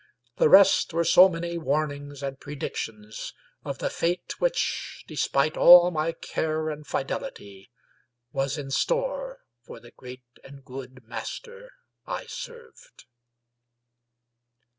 The rest were so many warn ings and predictions of the fate which, despite all my care and fidelity, was in store for the great and good master I served.